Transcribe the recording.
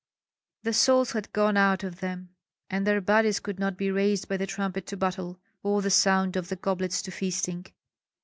The souls had gone out of them, and their bodies could not be raised by the trumpet to battle, or the sound of the goblets to feasting.